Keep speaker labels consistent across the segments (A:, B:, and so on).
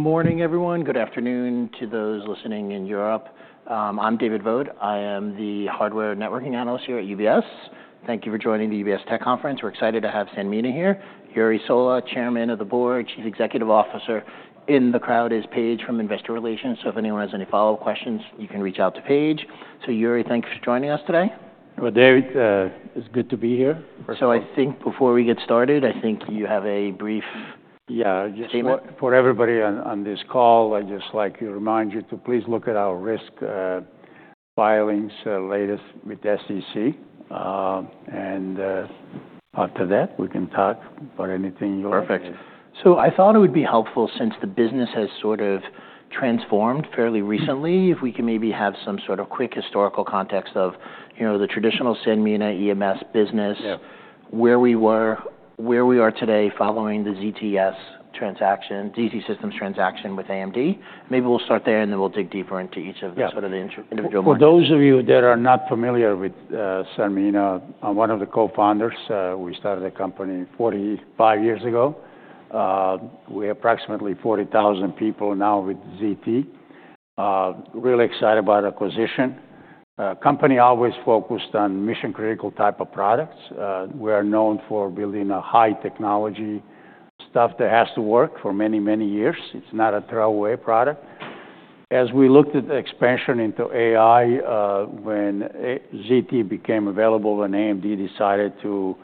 A: Morning, everyone. Good afternoon to those listening in Europe. I'm David Vogt. I am the Hardware Networking Analyst here at UBS. Thank you for joining the UBS Tech Conference. We're excited to have Sanmina here. Jure Sola, Chairman of the Board, Chief Executive Officer. In the crowd is Paige from Investor Relations. If anyone has any follow-up questions, you can reach out to Paige. Jure, thank you for joining us today.
B: David, it's good to be here.
A: I think before we get started, I think you have a brief--
B: Yeah, just for everybody on this call, I'd just like to remind you to please look at our risk filings, latest with SEC, and after that, we can talk about anything you're interested in.
A: Perfect. I thought it would be helpful, since the business has sort of transformed fairly recently, if we could maybe have some sort of quick historical context of, you know, the traditional Sanmina EMS business.
B: Yeah.
A: Where we were, where we are today following the ZT Systems transaction with AMD. Maybe we'll start there and then we'll dig deeper into each of the sort of the individual segments.
B: Yeah. For those of you that are not familiar with Sanmina, I'm one of the Co-Founders. We started the company 45 years ago. We have approximately 40,000 people now with ZT. Really excited about acquisition. Company always focused on mission-critical type of products. We are known for building a high-technology stuff that has to work for many, many years. It's not a throwaway product. As we looked at the expansion into AI, when ZT became available and AMD decided to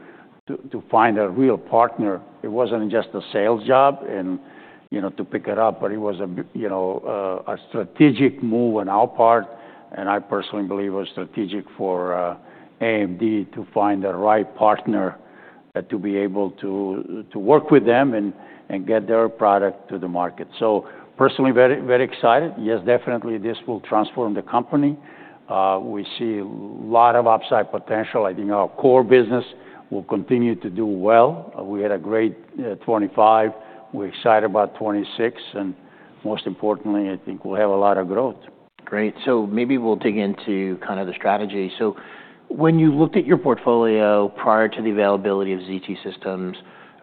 B: find a real partner, it wasn't just a sales job and, you know, to pick it up, but it was, you know, a strategic move on our part, and I personally believe it was strategic for AMD to find the right partner to be able to work with them and get their product to the market, so personally, very, very excited. Yes, definitely, this will transform the company. We see a lot of upside potential. I think our core business will continue to do well. We had a great 2025. We're excited about 2026. And most importantly, I think we'll have a lot of growth.
A: Great. So maybe we'll dig into kind of the strategy. So when you looked at your portfolio prior to the availability of ZT Systems,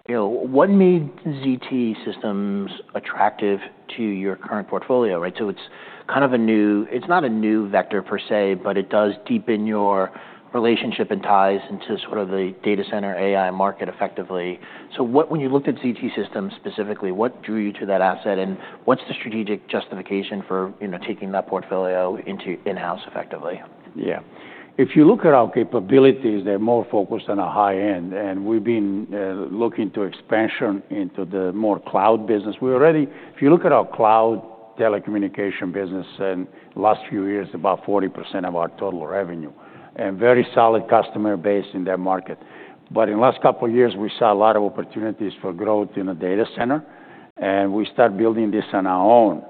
A: you know, what made ZT Systems attractive to your current portfolio? Right? So it's kind of a new, it's not a new vector per se, but it does deepen your relationship and ties into sort of the data center AI market effectively. So when you looked at ZT Systems specifically, what drew you to that asset and what's the strategic justification for, you know, taking that portfolio into in-house effectively?
B: Yeah. If you look at our capabilities, they're more focused on a high end, and we've been looking to expansion into the more cloud business. We already, if you look at our cloud telecommunication business in the last few years, about 40% of our total revenue, and very solid customer base in that market, but in the last couple of years, we saw a lot of opportunities for growth in the data center, and we start building this on our own,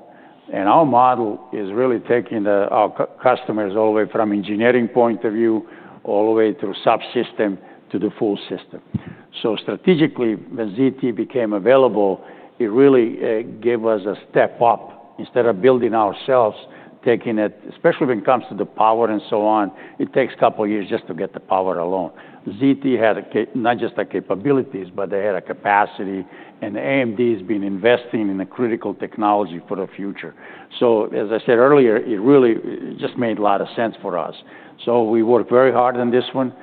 B: and our model is really taking our customers all the way from engineering point of view, all the way through subsystem to the full system, so strategically, when ZT became available, it really gave us a step up. Instead of building ourselves, taking it especially when it comes to the power and so on, it takes a couple of years just to get the power alone. ZT had capacity, not just the capabilities, but they had a capacity. AMD's been investing in a critical technology for the future. As I said earlier, it really just made a lot of sense for us. We worked very hard on this one.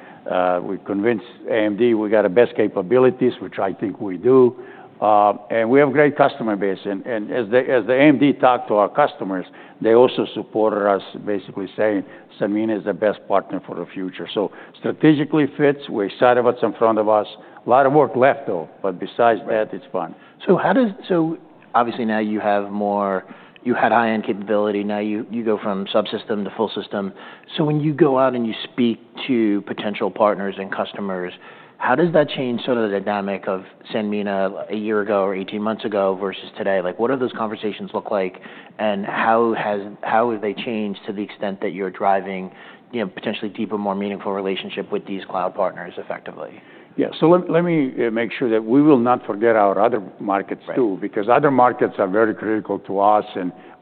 B: We convinced AMD we got the best capabilities, which I think we do. And we have a great customer base. And as AMD talked to our customers, they also supported us, basically saying, "Sanmina's the best partner for the future." So strategically fits. We're excited about it. It's in front of us. A lot of work left, though. But besides that, it's fun.
A: How does, -- obviously now you have more. You had high-end capability. Now you go from subsystem to full system. So when you go out and you speak to potential partners and customers, how does that change sort of the dynamic of Sanmina a year ago or 18 months ago versus today? Like, what do those conversations look like? And how have they changed to the extent that you're driving, you know, potentially deeper, more meaningful relationship with these cloud partners effectively?
B: Yeah, so let me make sure that we will not forget our other markets too. Because other markets are very critical to us.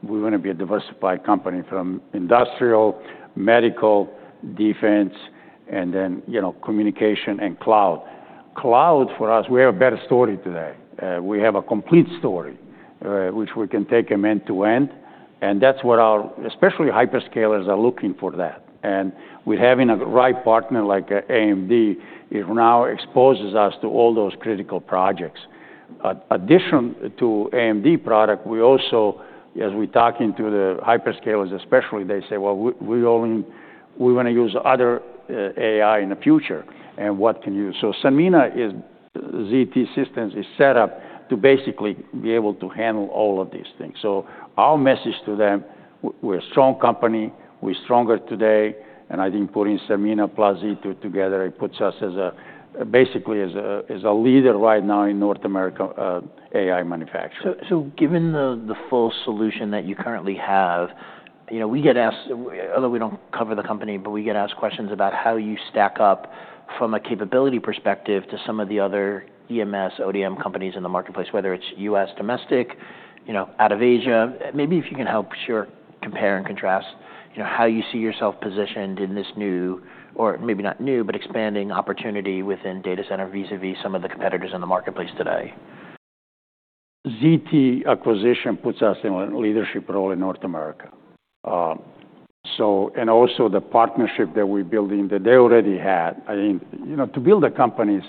B: We wanna be a diversified company from industrial, medical, defense, and then, you know, communication and cloud. Cloud for us, we have a better story today. We have a complete story, which we can take end to end. That's what especially hyperscalers are looking for. With the right partner like AMD, it now exposes us to all those critical projects. In addition to AMD product, we also, as we talking to the hyperscalers especially, they say, "Well, we only wanna use other AI in the future. And what can you?" So Sanmina, ZT Systems, is set up to basically be able to handle all of these things. Our message to them, we're a strong company. We're stronger today. I think putting Sanmina plus ZT together, it puts us basically as a leader right now in North America, AI manufacturing.
A: So, given the full solution that you currently have, you know, we get asked although we don't cover the company, but we get asked questions about how you stack up from a capability perspective to some of the other EMS ODM companies in the marketplace, whether it's U.S. domestic, you know, out of Asia. Maybe if you can help Jure compare and contrast, you know, how you see yourself positioned in this new or maybe not new, but expanding opportunity within data center vis-à-vis some of the competitors in the marketplace today.
B: ZT acquisition puts us in a leadership role in North America, so and also the partnership that we're building that they already had. I mean, you know, to build a company,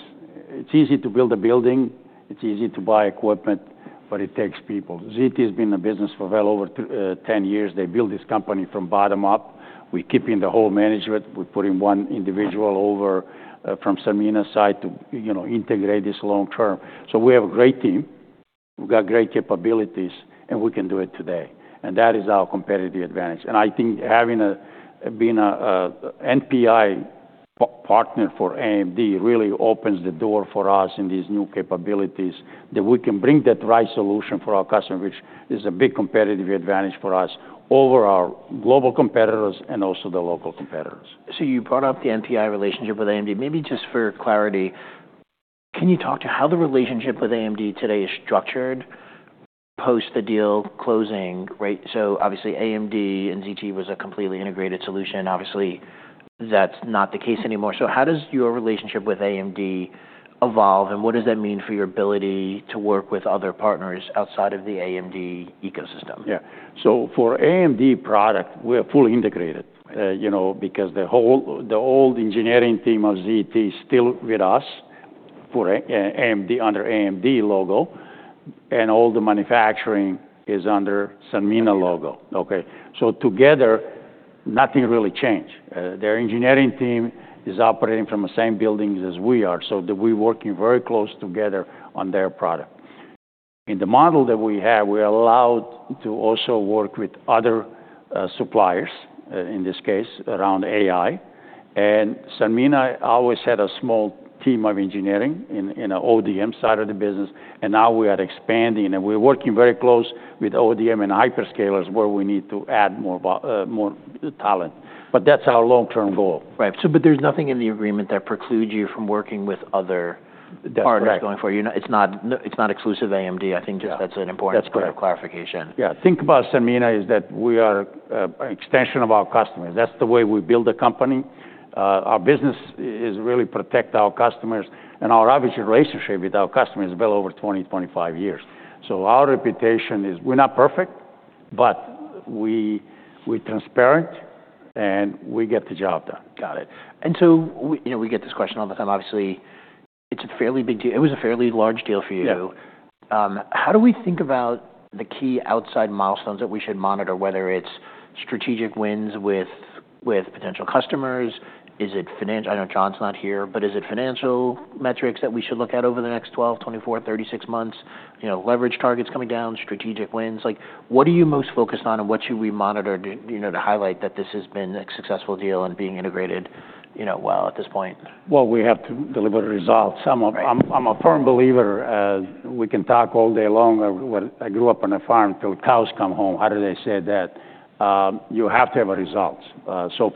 B: it's easy to build a building. It's easy to buy equipment, but it takes people. ZT's been in business for well over 10 years. They built this company from bottom up. We're keeping the whole management. We're putting one individual over, from Sanmina's side to, you know, integrate this long term, so we have a great team. We've got great capabilities, and we can do it today, and that is our competitive advantage. I think having, being a NPI partner for AMD really opens the door for us in these new capabilities that we can bring that right solution for our customer, which is a big competitive advantage for us over our global competitors and also the local competitors.
A: So you brought up the NPI relationship with AMD. Maybe just for clarity, can you talk to how the relationship with AMD today is structured post the deal closing? Right? So obviously, AMD and ZT was a completely integrated solution. Obviously, that's not the case anymore. How does your relationship with AMD evolve? And what does that mean for your ability to work with other partners outside of the AMD ecosystem?
B: Yeah. So for AMD product, we are fully integrated, you know, because the whole old engineering team of ZT's still with us for AMD under AMD logo. And all the manufacturing is under Sanmina logo. Okay? Together, nothing really changed. Their engineering team is operating from the same buildings as we are. So that we're working very close together on their product. In the model that we have, we are allowed to also work with other suppliers, in this case around AI. And Sanmina always had a small team of engineering in the ODM side of the business. And now we are expanding. And we're working very close with ODM and hyperscalers where we need to add more talent. But that's our long-term goal.
A: Right. So but there's nothing in the agreement that precludes you from working with other partners going forward.
B: That's right.
A: It's not exclusive to AMD. I think that's just an important point of clarification.
B: Yeah. Think about Sanmina is that we are an extension of our customers. That's the way we build a company. Our business is really protect our customers. And our obvious relationship with our customers is well over 20-25 years. Our reputation is we're not perfect, but we're transparent. And we get the job done.
A: Got it. And so, you know, we get this question all the time. Obviously, it's a fairly big deal. It was a fairly large deal for you.
B: Yeah.
A: How do we think about the key outside milestones that we should monitor, whether it's strategic wins with potential customers? Is it financial? I know John's not here, but is it financial metrics that we should look at over the next 12, 24, 36 months? You know, leverage targets coming down, strategic wins. Like, what are you most focused on and what should we monitor to, you know, to highlight that this has been a successful deal and being integrated, you know, well at this point?
B: We have to deliver results. I'm a firm believer, we can talk all day long. I grew up on a farm till cows come home. How do they say that? You have to have results.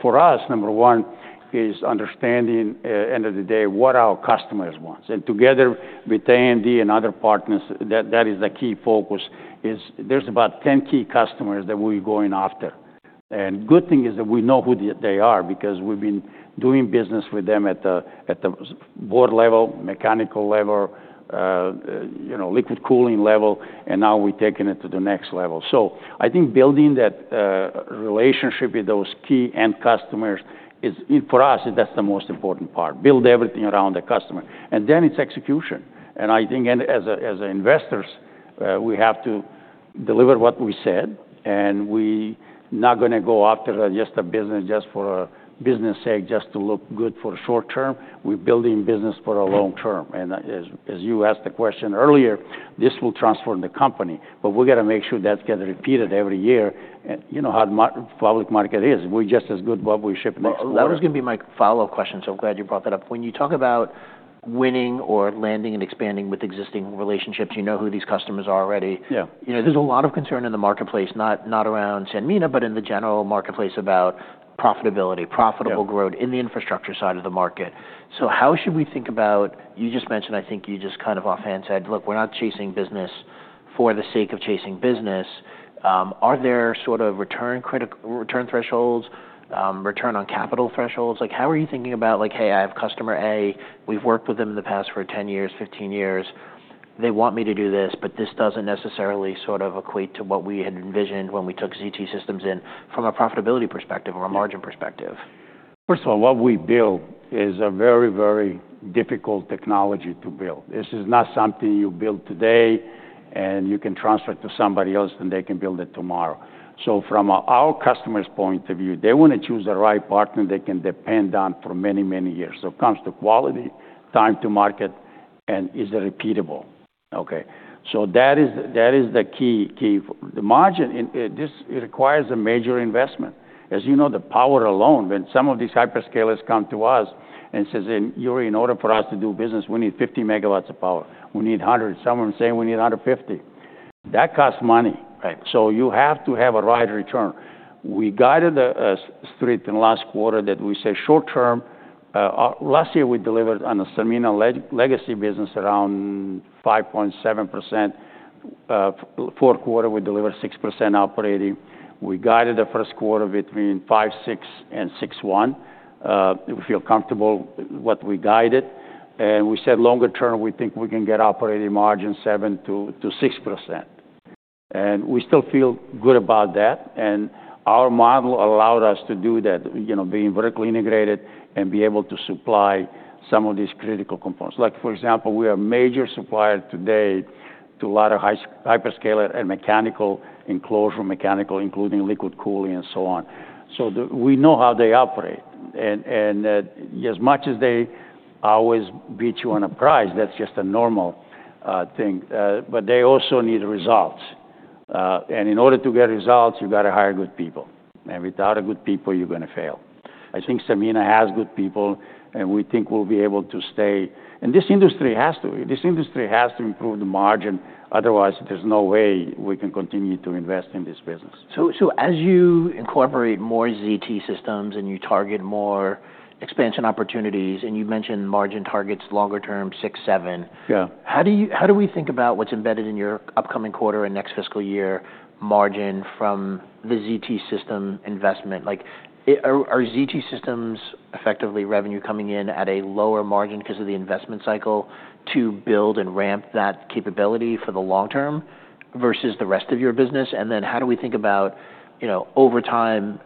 B: For us, number one is understanding, end of the day, what our customers want. And together with AMD and other partners, that is the key focus is there's about 10 key customers that we're going after. And good thing is that we know who they are because we've been doing business with them at the board level, mechanical level, you know, liquid cooling level. And now we're taking it to the next level. I think building that relationship with those key end customers is for us, that's the most important part. Build everything around the customer. And then it's execution. I think, as investors, we have to deliver what we said. We not gonna go after just a business just for a business sake, just to look good for short term. We're building business for a long term. As you asked the question earlier, this will transform the company. But we got to make sure that's getting repeated every year. You know how the market is. We're just as good as what we ship next month.
A: That was gonna be my follow-up question. I'm glad you brought that up. When you talk about winning or landing and expanding with existing relationships, you know who these customers are already.
B: Yeah.
A: You know, there's a lot of concern in the marketplace, not around Sanmina, but in the general marketplace about profitability, profitable growth. In the infrastructure side of the market. How should we think about you just mentioned, I think you just kind of offhand said, "Look, we're not chasing business for the sake of chasing business." Are there sort of critical return thresholds, return on capital thresholds? Like, how are you thinking about, like, "Hey, I have customer A. We've worked with them in the past for 10 years, 15 years. They want me to do this, but this doesn't necessarily sort of equate to what we had envisioned when we took ZT Systems in from a profitability perspective or a margin perspective"?
B: First of all, what we build is a very, very difficult technology to build. This is not something you build today and you can transfer it to somebody else and they can build it tomorrow. From our customer's point of view, they wanna choose the right partner they can depend on for many, many years. It comes to quality, time to market, and is it repeatable? Okay? So that is the key for the margin. This requires a major investment. As you know, the power alone, when some of these hyperscalers come to us and says, "Jure, in order for us to do business, we need 50 MW of power. We need 100." Some of them say, "We need 150." That costs money. You have to have a right return. We guided the Street in the last quarter that we see short term, our last year we delivered on the Sanmina legacy business around 5.7%. Fourth quarter, we delivered 6% operating. We guided the first quarter between 5.6% and 6.1%. We feel comfortable with what we guided. And we said longer term, we think we can get operating margin 6%-7%. And we still feel good about that. And our model allowed us to do that, you know, being vertically integrated and be able to supply some of these critical components. Like, for example, we are a major supplier today to a lot of hyperscalers and mechanical enclosures, including liquid cooling and so on. We know how they operate. And as much as they always beat you on a price, that's just a normal thing. They also need results. And in order to get results, you got to hire good people. And without good people, you're gonna fail. I think Sanmina has good people. And we think we'll be able to stay. And this industry has to improve the margin. Otherwise, there's no way we can continue to invest in this business.
A: As you incorporate more ZT Systems and you target more expansion opportunities, and you mentioned margin targets longer term, 6%-7%.
B: Yeah.
A: How do we think about what's embedded in your upcoming quarter and next fiscal year margin from the ZT Systems investment? Like, are, are ZT Systems effectively revenue coming in at a lower margin 'cause of the investment cycle to build and ramp that capability for the long term versus the rest of your business? And then how do we think about, you know, over time,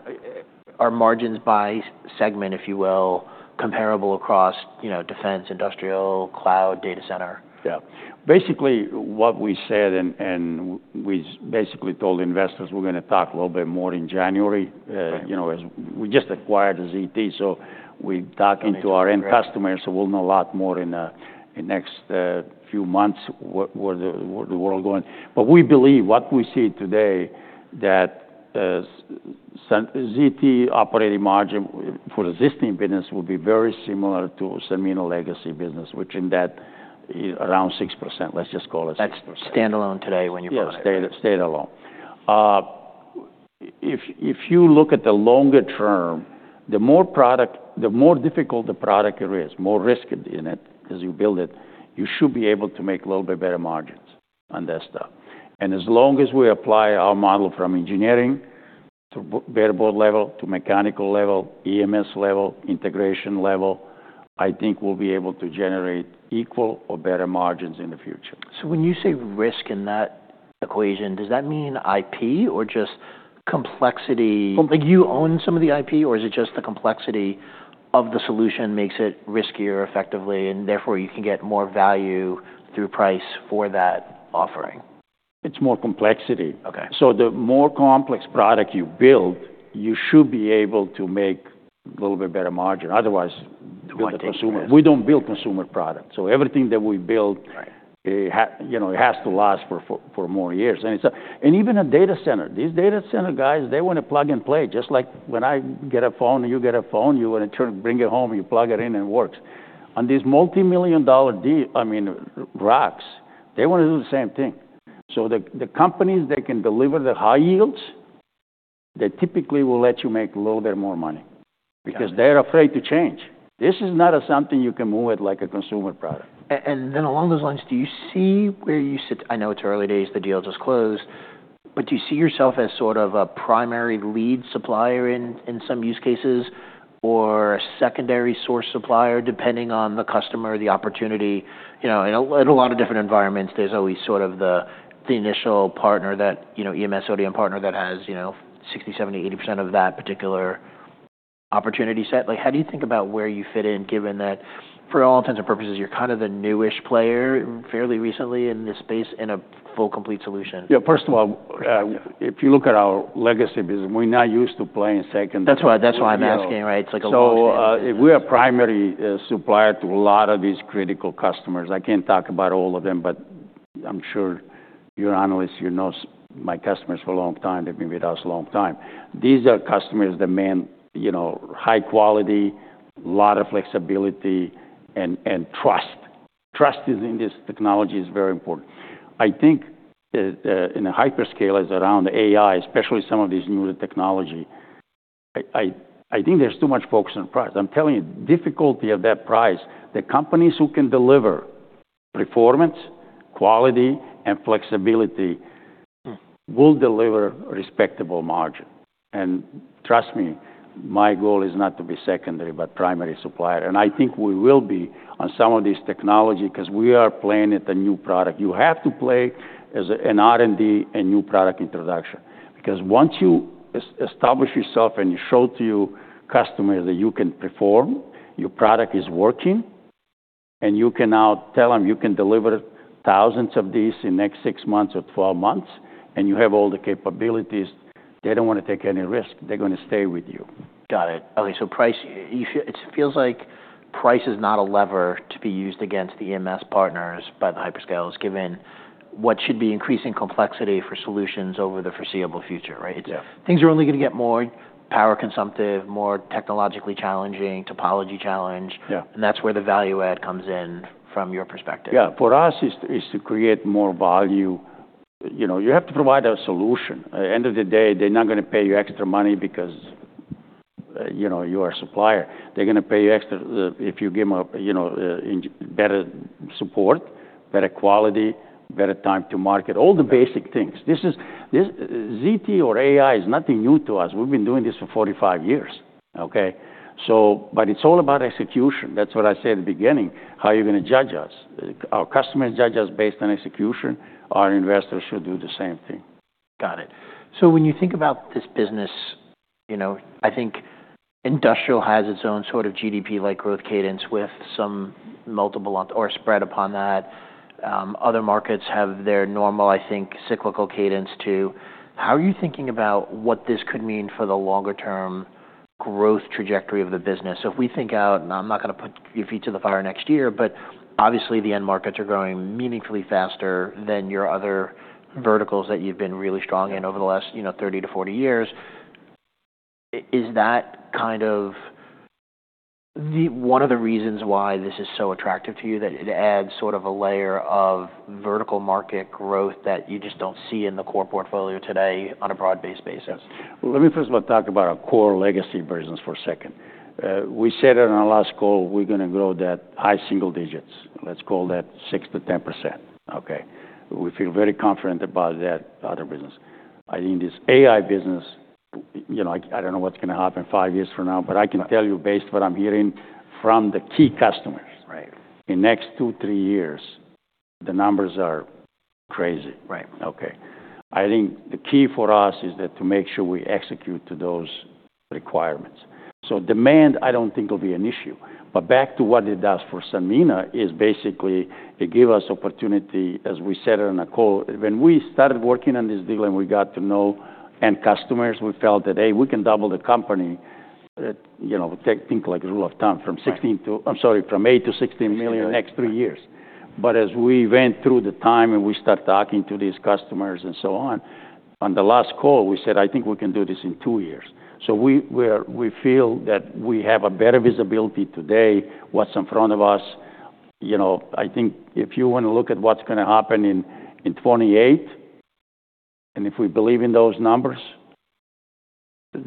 A: our margins by segment, if you will, comparable across, you know, defense, industrial, cloud, data center?
B: Yeah. Basically, what we said and we basically told investors we're gonna talk a little bit more in January. You know, as we just acquired ZT. So we're talking to our end customers. We'll know a lot more in the next few months what the world going. But we believe what we see today that Sanmina's ZT operating margin for the existing business will be very similar to Sanmina legacy business, which in that, you know, around 6%. Let's just call it 6%.
A: That's standalone today when you're talking about.
B: Yeah, standalone. If you look at the longer term, the more product the more difficult the product there is, more risk in it as you build it, you should be able to make a little bit better margins on that stuff. And as long as we apply our model from engineering to board level to mechanical level, EMS level, integration level, I think we'll be able to generate equal or better margins in the future.
A: So when you say risk in that equation, does that mean IP or just complexity? Like, you own some of the IP or is it just the complexity of the solution makes it riskier effectively and therefore you can get more value through price for that offering?
B: It's more complexity.
A: Okay.
B: The more complex product you build, you should be able to make a little bit better margin. Otherwise, you want the consumer. We don't build consumer product. Everything that we build. It has, you know, it has to last for more years. And it's even a data center. These data center guys, they wanna plug and play. Just like when I get a phone and you get a phone, you wanna bring it home, you plug it in and it works. On these multi-million dollar deals, I mean, racks, they wanna do the same thing. The companies that can deliver the high yields, they typically will let you make a little bit more money. Because they're afraid to change. This is not something you can move with like a consumer product.
A: And then along those lines, do you see where you sit? I know it's early days. The deal just closed. But do you see yourself as sort of a primary lead supplier in some use cases or a secondary source supplier depending on the customer, the opportunity? You know, in a lot of different environments, there's always sort of the initial partner that you know, EMS, ODM partner that has you know, 60%, 70%, 80% of that particular opportunity set. Like, how do you think about where you fit in given that for all intents and purposes, you're kind of the newish player fairly recently in this space in a full complete solution?
B: Yeah. First of all, if you look at our legacy business, we're not used to playing second.
A: That's why I'm asking. Right? It's like a little change--
B: We are primary supplier to a lot of these critical customers. I can't talk about all of them, but I'm sure your analysts here know my customers for a long time. They've been with us a long time. These are customers, the main, you know, high quality, a lot of flexibility, and trust. Trust in this technology is very important. I think that in the hyperscalers around AI, especially some of these newer technologies, I think there's too much focus on price. I'm telling you, difficulty of that price, the companies who can deliver performance, quality, and flexibility will deliver respectable margin. Trust me, my goal is not to be secondary but primary supplier. I think we will be on some of these technologies 'cause we are playing at a new product. You have to play as an R&D and new product introduction. Because once you establish yourself and you show to your customer that you can perform, your product is working, and you can now tell them you can deliver thousands of these in next 6 months or 12 months, and you have all the capabilities, they don't wanna take any risk. They're gonna stay with you.
A: Got it. Okay. So, pricing, you feel it feels like price is not a lever to be used against the EMS partners by the hyperscalers given what should be increasing complexity for solutions over the foreseeable future. Right?
B: Yeah.
A: It's things are only gonna get more power consumptive, more technologically challenging, topology challenge. That's where the value add comes in from your perspective.
B: Yeah. For us, it's to create more value. You know, you have to provide a solution. At the end of the day, they're not gonna pay you extra money because, you know, you are a supplier. They're gonna pay you extra, if you give them a, you know, in better support, better quality, better time to market, all the basic things. This ZT or AI is nothing new to us. We've been doing this for 45 years. Okay? So but it's all about execution. That's what I said at the beginning, how you're gonna judge us. Our customers judge us based on execution. Our investors should do the same thing.
A: Got it. So when you think about this business, you know, I think industrial has its own sort of GDP-like growth cadence with some multiple or spread upon that. Other markets have their normal, I think, cyclical cadence too. How are you thinking about what this could mean for the longer term growth trajectory of the business? So if we think out, and I'm not gonna put your feet to the fire next year, but obviously the end markets are growing meaningfully faster than your other verticals that you've been really strong in over the last, you know, 30 to 40 years. Is that kind of one of the reasons why this is so attractive to you that it adds sort of a layer of vertical market growth that you just don't see in the core portfolio today on a broad-based basis?
B: Let me first of all talk about our core legacy business for a second. We said it on our last call, we're gonna grow that high single digits. Let's call that 6%-10%. Okay? We feel very confident about that other business. I think this AI business, you know, I don't know what's gonna happen five years from now, but I can tell you based on what I'm hearing from the key customers.
A: Right.
B: In the next two, three years, the numbers are crazy. Okay? I think the key for us is that to make sure we execute to those requirements. So demand, I don't think will be an issue. But back to what it does for Sanmina is basically it give us opportunity, as we said it on a call, when we started working on this deal and we got to know end customers, we felt that, "Hey, we can double the company." You know, think like rule of thumb from 16 to, I'm sorry, from 8 million to 16 million in the next three years. But as we went through the time and we start talking to these customers and so on, on the last call, we said, "I think we can do this in two years." We feel that we have a better visibility today, what's in front of us. You know, I think if you wanna look at what's gonna happen in 2028, and if we believe in those numbers,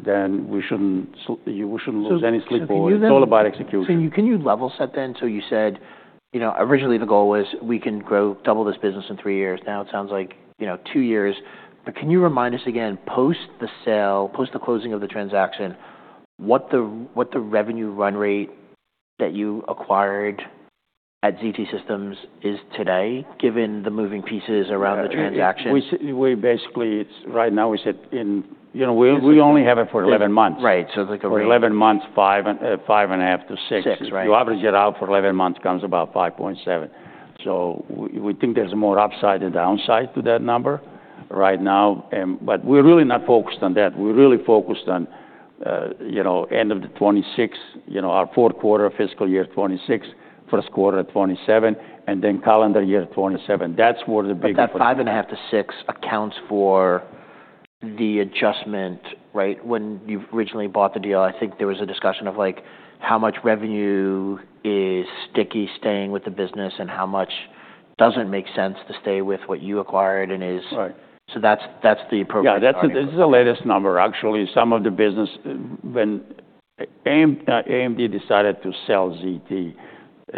B: then we shouldn't lose any sleep over. It's all about execution.
A: So can you level set then? So you said, you know, originally the goal was we can grow double this business in three years. Now it sounds like, you know, two years. But can you remind us again post the sale, post the closing of the transaction, what the revenue run rate that you acquired at ZT Systems is today given the moving pieces around the transaction?
B: Yeah. We basically it's right now we said in, you know, we only have it for 11 months. So it's like a rate for 11 months, 5.5-6. You average it out for 11 months, comes about 5.7. So we think there's more upside and downside to that number right now. And but we're really not focused on that. We're really focused on, you know, end of the 2026, you know, our fourth quarter of fiscal year 2026, first quarter of 2027, and then calendar year 2027. That's where the bigger part.
A: But that 5.5-6 accounts for the adjustment. Right? When you originally bought the deal, I think there was a discussion of like how much revenue is sticky staying with the business and how much doesn't make sense to stay with what you acquired and is.
B: Right.
A: So that's the appropriate thing--
B: Yeah. That's this is the latest number. Actually, some of the business, when AMD decided to sell ZT,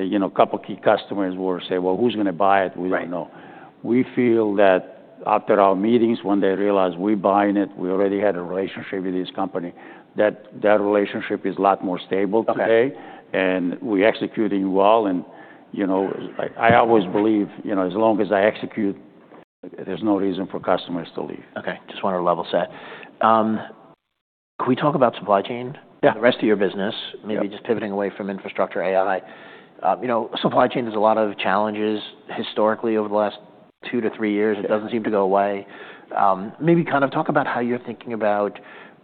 B: you know, a couple key customers were saying, "Well, who's gonna buy it? We don't know. We feel that after our meetings, when they realize we're buying it, we already had a relationship with this company, that, that relationship is a lot more stable today. And we executing well. And, you know, I always believe, you know, as long as I execute, there's no reason for customers to leave.
A: Okay. Just wanted to level set. Can we talk about supply chain?
B: Yeah.
A: The rest of your business. Maybe just pivoting away from infrastructure AI. You know, supply chain has a lot of challenges historically over the last two to three years. It doesn't seem to go away. Maybe kind of talk about how you're thinking about,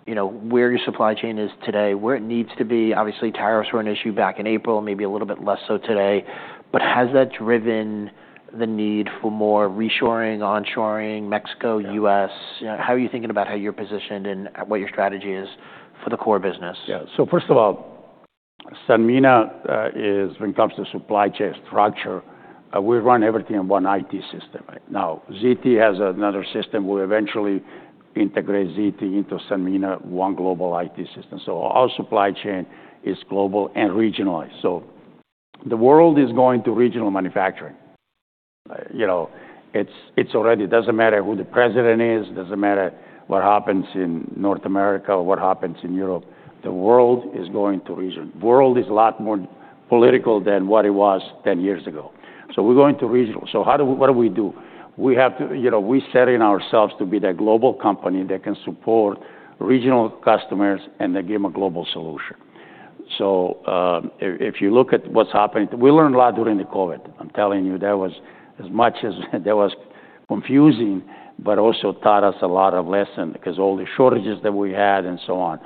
A: you know, where your supply chain is today, where it needs to be. Obviously, tariffs were an issue back in April, maybe a little bit less so today. But has that driven the need for more reshoring, onshoring, Mexico, U.S.? You know, how are you thinking about how you're positioned and what your strategy is for the core business?
B: Yeah. So first of all, Sanmina, when it comes to supply chain structure, we run everything on one IT system. Now, ZT has another system. We'll eventually integrate ZT into Sanmina, one global IT system. So our supply chain is global and regionalized. So the world is going to regional manufacturing. You know, it's already. It doesn't matter who the president is, doesn't matter what happens in North America or what happens in Europe. The world is going to region. World is a lot more political than what it was 10 years ago. We're going to regional. So what do we do? We have to, you know, we set ourselves to be that global company that can support regional customers and then give them a global solution. So, if you look at what's happened, we learned a lot during the COVID. I'm telling you, that was as much as that was confusing but also taught us a lot of lessons 'cause all the shortages that we had and so on.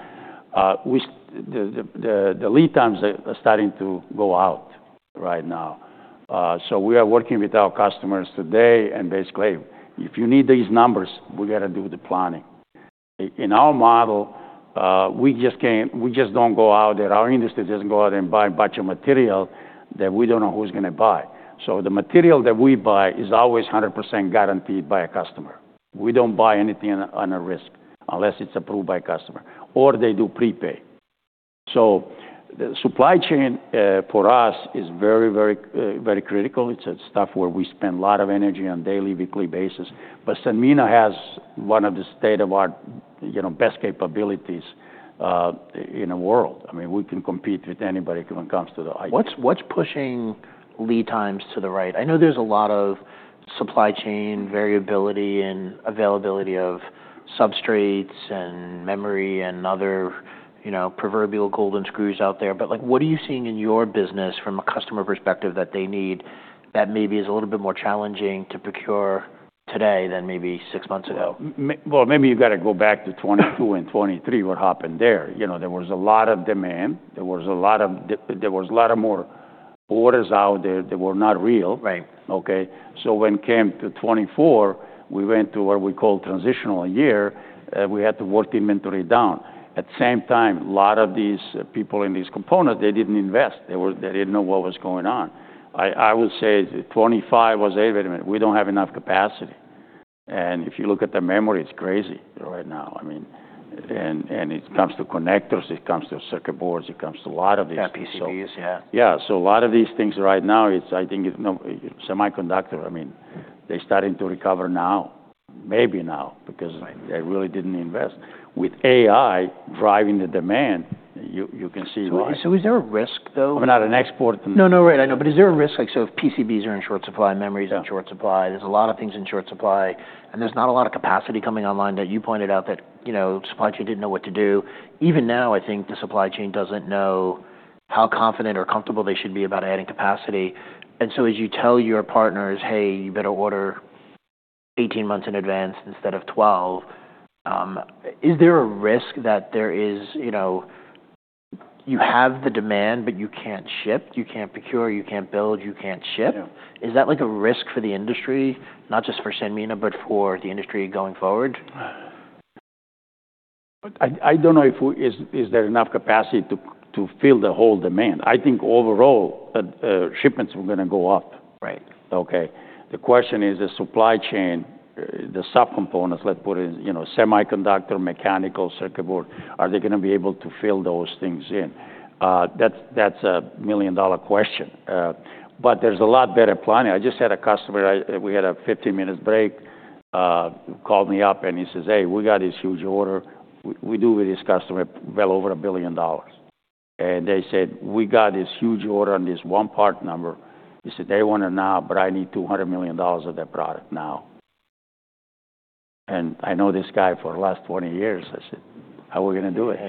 B: We see the lead times are starting to go out right now, so we are working with our customers today. Basically, if you need these numbers, we got to do the planning. In our model, we just can't. We just don't go out there. Our industry doesn't go out and buy a bunch of material that we don't know who's gonna buy. So the material that we buy is always 100% guaranteed by a customer. We don't buy anything on a risk unless it's approved by a customer or they do prepay. So the supply chain for us is very, very, very critical. It's the stuff where we spend a lot of energy on a daily, weekly basis. But Sanmina has one of the state-of-the-art, you know, best capabilities, in the world. I mean, we can compete with anybody when it comes to the IT.
A: What's pushing lead times to the right? I know there's a lot of supply chain variability and availability of substrates and memory and other, you know, proverbial golden screws out there. But like what are you seeing in your business from a customer perspective that they need that maybe is a little bit more challenging to procure today than maybe six months ago?
B: Well, maybe you got to go back to 2022 and 2023, what happened there. You know, there was a lot of demand. There was a lot more orders out there that were not real. Okay? So when it came to 2024, we went to what we call transitional year. We had to work inventory down. At the same time, a lot of these people in these components, they didn't invest. They didn't know what was going on. I would say 2025 was, "Hey, wait a minute. We don't have enough capacity." And if you look at the memory, it's crazy right now. I mean, it comes to connectors, it comes to circuit boards, it comes to a lot of these.
A: Yeah. PCBs. Yeah.
B: Yeah. So a lot of these things right now, it's I think, you know, semiconductor, I mean, they're starting to recover now, maybe now because. They really didn't invest. With AI driving the demand, you can see right.
A: Is there a risk though?
B: I'm not an expert in--
A: No, no. Right. I know. But is there a risk? Like, so if PCBs are in short supply, memory's in short supply, there's a lot of things in short supply, and there's not a lot of capacity coming online that you pointed out that, you know, supply chain didn't know what to do. Even now, I think the supply chain doesn't know how confident or comfortable they should be about adding capacity. And so as you tell your partners, "Hey, you better order 18 months in advance instead of 12," is there a risk that there is, you know, you have the demand but you can't ship, you can't procure, you can't build, you can't ship? Is that like a risk for the industry, not just for Sanmina but for the industry going forward?
B: I don't know if there is enough capacity to fill the whole demand. I think overall, shipments are gonna go up. Okay? The question is the supply chain, the subcomponents. Let's put it in, you know, semiconductor, mechanical, circuit board. Are they gonna be able to fill those things in? That's, that's a million-dollar question. But there's a lot better planning. I just had a customer. We had a 15-minute break. Called me up and he says, "Hey, we got this huge order. We do with this customer well over a billion dollars." And they said, "We got this huge order on this one part number." He said, "They want it now, but I need $200 million of that product now." And I know this guy for the last 20 years. I said, "How are we gonna do it?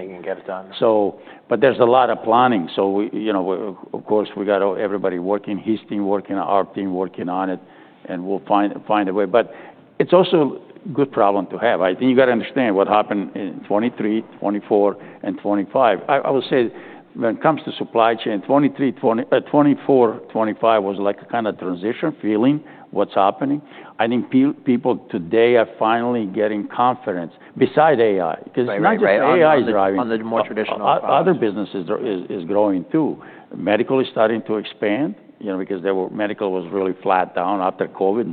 B: So but there's a lot of planning. We, -- you know, of course, we got everybody working, his team working, our team working on it, and we'll find a way. But it's also a good problem to have. I think you got to understand what happened in 2023, 2024, and 2025. I would say when it comes to supply chain, 2023, 2024, 2025 was like a kind of transition feeling what's happening. I think people today are finally getting confidence besides AI 'cause not just AI is driving.
A: Right. AI on the more traditional products.
B: Other businesses are growing too. Medical is starting to expand, you know, because medical was really flat down after COVID.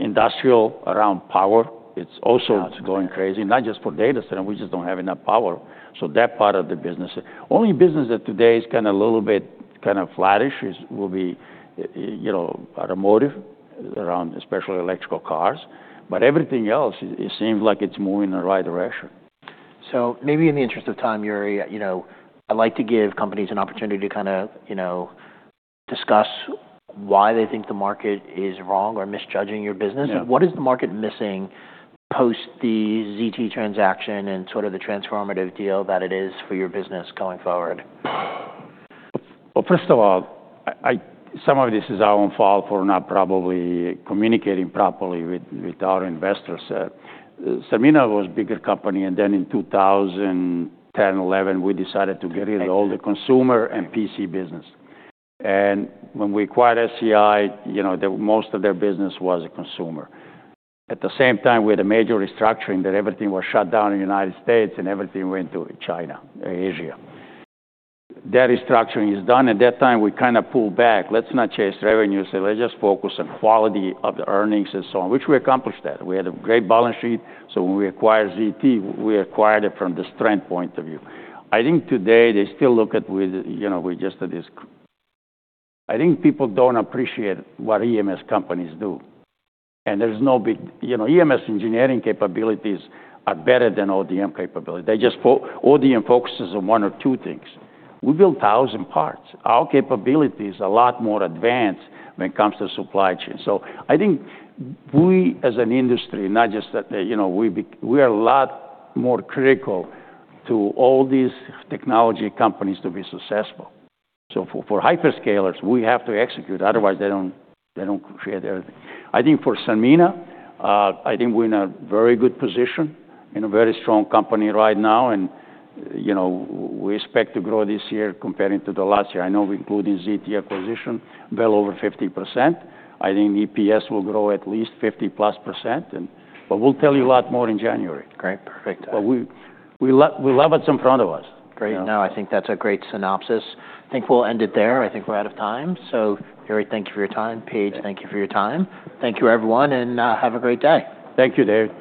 B: Industrial around power, it's also going crazy. Not just for data center. We just don't have enough power. So that part of the business. Only business that today is kind of a little bit kind of flattish is, you know, automotive around, especially electrical cars. But everything else, it, it seems like it's moving in the right direction.
A: Maybe in the interest of time, Jure, you know, I like to give companies an opportunity to kind of, you know, discuss why they think the market is wrong or misjudging your business. What is the market missing post the ZT transaction and sort of the transformative deal that it is for your business going forward?
B: Well, first of all, some of this is our own fault for not probably communicating properly with our investors. Sanmina was a bigger company. And then in 2010, 2011, we decided to get rid of all the consumer and PC business. And when we acquired SCI, you know, most of their business was consumer. At the same time, we had a major restructuring that everything was shut down in the United States and everything went to China, Asia. That restructuring is done. At that time, we kind of pulled back. Let's not chase revenues. Let's just focus on quality of the earnings and so on, which we accomplished that. We had a great balance sheet. So when we acquired ZT, we acquired it from the strength point of view. I think today they still look at with, you know, with just disdain. I think people don't appreciate what EMS companies do, and there's no big, you know. EMS engineering capabilities are better than ODM capability. They just, ODM focuses on one or two things. We build 1,000 parts. Our capability is a lot more advanced when it comes to supply chain, so I think we, as an industry, not just that, you know, we are a lot more critical to all these technology companies to be successful, so for hyperscalers, we have to execute. Otherwise, they don't create everything. I think for Sanmina, I think we're in a very good position, in a very strong company right now, and, you know, we expect to grow this year comparing to the last year. I know we're including ZT acquisition, well over 50%. I think EPS will grow at least +50%. But we'll tell you a lot more in January.
A: Great. Perfect.
B: But we love what's in front of us.
A: Great. No, I think that's a great synopsis. I think we'll end it there. I think we're out of time. Jure, thank you for your time. Paige, thank you for your time. Thank you, everyone, and have a great day.
B: Thank you, Dave.